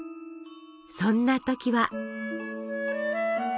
そんな時は。